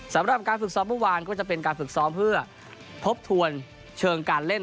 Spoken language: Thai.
สำหรับการฝึกซ้อมเมื่อวานก็จะเป็นการฝึกซ้อมเพื่อทบทวนเชิงการเล่น